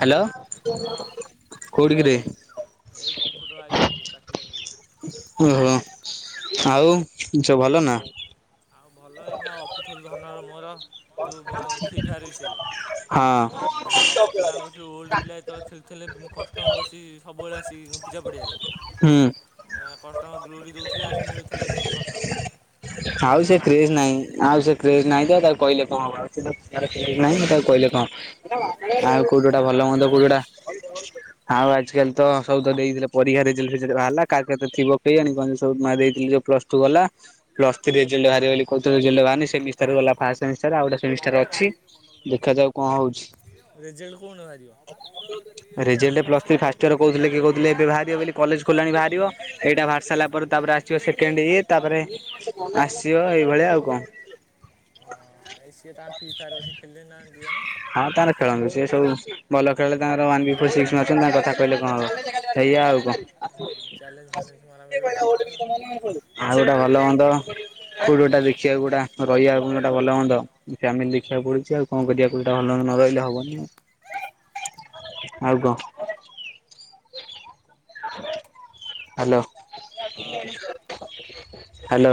Hello ହଁ କୋଉଠି କିରେ? ଏଇ କମ୍ପ୍ୟୁଟର ଆଇଚୁ ପ୍ରାକ୍ଟିକାଲ କରିବୁ। ଓହୋ ଆଉ ସବୁ ଭଲ ଆଉ ନା? ଆଉ ଭଲ ଏଇନା ଆଉ ଅପୁଥଲ ଧନର ମୋର ଯେଉଁ ଫ୍ରି ଫାୟାର୍ ବିଷୟରେ। ହଁ ଆ କମ୍ପୁଥିଲା ଆମ କତିରେ ଓଲ୍ଡ ପିଲା ଯେତକ ଖେଳୁଥିଲେ କଷ୍ଟମ ବସି ସବୁବେଳେ ଆସିକି ପୂଜା ପଡ଼ିଆାରେ। ହୁଁ ଆଁ କଷ୍ଟମ ଗ୍ଲୁଡ଼ି ଦେଉଥିଲେ ଆସି ମିଳୁଥିଲା ଗ କଷ୍ଟମ ଆ ଆଉ ଏବେ ସେ କ୍ରେଜ ମାଗେଣା। ନାହିଁ ଆଉ ସେ କ୍ରେଜ୍ ନାହିଁ ତ ତାକୁ କହିଲେ କଣ ହବ ଆଉ ତାର କ୍ରେଜ୍ ଆଉ ନାହିଁ ତାକୁ କହିଲେ କଣ। ଆଉ କୋଉଠୁ ଗୋଟା ଏଇନା ଭଲ ମନ୍ଦ ମାଗେଣା କୋଉଠୁ ହେଟା। ମିଳୁଛି ଆଉ ଆଜି କାଲି ତ ସବୁ ତ ଦେଇଥିଲେ ପରୀକ୍ଷା ରେଜଲ୍ଟ ଫେଜଲ୍ଟ ବାହାରିଲା କାହାର କେତେ ଥିବ କେଇଆଣି କଣ ଯେ ସବୁ ମା ଦେଇଥିଲେ। ପ୍ଲସ୍ ଟୁ ଗଲା ପ୍ଲସ୍ ଥ୍ରୀ ରେଜଲ୍ଟ ବାହାରିବ ବୋଲି କହୁଥିଲେ ରେଜଲ୍ଟ ବାହାରିନି ସେମିଷ୍ଟାର ଗଲା। ଫାଷ୍ଟ ସେମି ଷ୍ଟାର୍ ଆଉ ଗୋଟେ ସେମିଷ୍ଟାର ଅଛି। ଦେଖାଯାଉ କଣ ହଉଛି। ରେଜଲ୍ଟ କୋଉନ ବାହାରିବ result plus three first year କହୁଥିଲେ କିଏ କହୁଥିଲେ ଏବେ ବାହାରିବ ବୋଲି କଲେଜ ଖୋଲାଣି ବାହାରିବ। ଏଇଟା ବାହାରି ସାରିଲା ପରେ ତାପରେ ଆସିବ ସେକେଣ୍ଡ ଇଏ ତାପରେ ଆସିବ ଏଇଭଳିଆ ଆଉ କଣ। ହଁ ଏଇ ସିଏ ତାଙ୍କ ଫି ଫାୟର ବସିକି ଖେଳି ଲେଣି ନା ଦି ଜଣ। ହଁ ତାର ଖେଳନ୍ତୁ ସିଏ ସବୁ ଭଲ ଖେଳାଳି ତାଙ୍କର ୱାନ୍ ବି ଫୋର ସିକ୍ସ୍ ମାରୁଛନ୍ତି ତାଙ୍କ କଥା କହିଲେ କଣ ହବ ଏଇଆ ଆଉ କଣ। ଆକୁ ଚ୍ୟାଲେଞ୍ଜ ଆ ଫ୍ୟାଲେଞ୍ଜ ମରାମରି ହେଉଛନ୍ତି କିଏ କହିଲା? ତାଙ୍କର [unintelligible] ଆଉ ଗୋଟା ଭଲ ହୁଅନ୍ତ କୋଉଠି ଗୋଟା ଦେଖିବାକୁ ଗୋଟା ରହିବା ଗୁଣଟା ଭଲ ହୁଅନ୍ତ। ଫ୍ୟାମିଲି ଦେଖିବାକୁ ପଡୁଛି ଆଉ କଣ କରିବା କଉଟା ଭଲ ନ ହେଲେ ସେଇଟା ହବନି ଆଉ। ଆଉ କଣ? ହ୍ୟାଲୋ। ହଁ ହ୍ୟାଲୋ।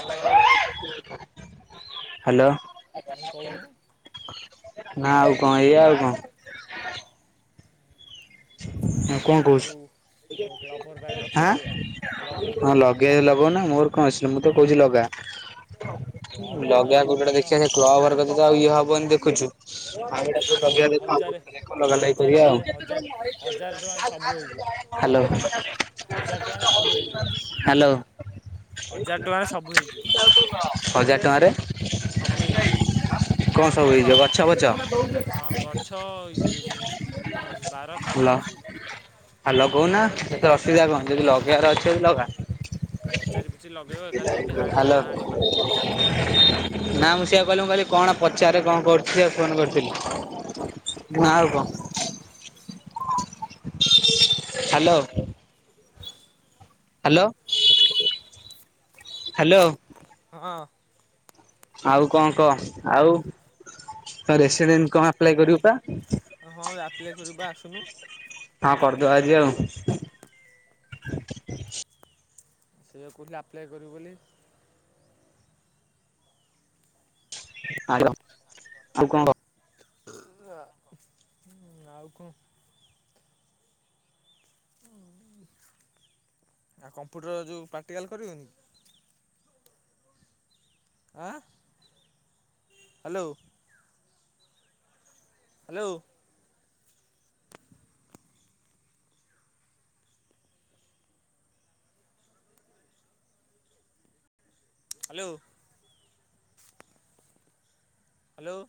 ହଁ ହ୍ୟାଲୋ କହୁନୁ ନା ଆଉ କଣ ଏଇଆ ଆଉ କଣ। ଆଉ ହଁ କଣ କହୁଚୁ ଯେଉଁ ଆଉ କ୍ଲବ୍ ଘର ପାଖରେ ଗଛ ଆଁ ଲଗେଇବା କ୍ଲବ୍ ଘର ହଁ ପାଖରେ ଲଗେଇବା ଲଗାଉନା ମୋର କଣ ଅଛି ମୁଁ ତ କହୁଛି ଲଗା। କ୍ଲବ୍ ଘରେ ଲଗେଇବା ଯଦି କଉଠି ଗୋଟେ ଖର୍ଚ୍ଚ ଦେଖିବା ସେ କ୍ଲବ ଘରେ ବ୍ୟତିତ ଆଉ ଇଏ ହବନ ଦେଖୁଛୁ। ଆଉ ଏଟା ହ- ଲଗେଇବା ଦେଖ ହଜାରେ ଦେଖ ଲଗା ଲଗି ହଜାରେ କରିବା ଆଉ। ଟଙ୍କାରେ ହଜାର ହଜାରେ ଟଙ୍କାରେ ସବୁ ହେଇଯିବ ହ୍ୟାଲୋ ହଜାର ଟଙ୍କାରେ ସବୁ ହେଇଯିବ ହ୍ୟାଲୋ। ହଜାର ଟଙ୍କାରେ ସବୁ ହେଇଯିବ ହଜାରେ ଟଙ୍କାରେ। ସବୁ ହେଇଯିବ କଣ ସବୁ ହେଇଯିବ ଗଛପଛ। ହଁ ଗଛ ଇଏ [unintelligible] ହ୍ୟାଲୋ ହ୍ୟାଲୋ କହୁନା ସେଥିରେ ଅସୁବିଧା କଣ ଯଦି ଲଗେଇବାର ଅଛି ଲଗା। ପଚାରି ପୁଚି ଲଗେଇବ ଏକାଥରେ ଯେମିତି ହାଣି ହାଲୋ। ହଣା ହାଣି କରିବେନି ନା ମୁଁ ସିଆକୁ କହିଲି ମୁଁ କହିଲି କଣ ପଚାରରେ କଣ କରୁଚି ଆଉ ଫୋନ୍ କରିଥିଲି। ଆଉ କଣ? ହ୍ୟାଲୋ। Hello hello. ହଁ। ଆଉ କଣ କହ ଆଉ ତ ରେସିଡେଣ୍ଟ କଣ ଆପ୍ଲାଏ କରିବୁ ପା? ହଁ ଆପ୍ଲାଏ କରିବୁ ପା ଆସୁନୁ। ହଁ କରିଦବା ଆଜି ଆଉ। ସେଇବେ କହୁଥିଲି ଆପ୍ଲାଏ କରିବୁ ବୋଲି। ହ୍ୟାଲୋ ଆଉ କଣ କ। ଆଉ କଣ ଓ ଆଉ କମ୍ପ୍ୟୁଟର ଯୋଉ ପ୍ରାକ୍ଟିକାଲ କରିବୁନି। ଆ ହ୍ୟାଲୋ। ହ୍ୟାଲୋ। ହ୍ୟାଲୋ। ହ୍ୟାଲୋ।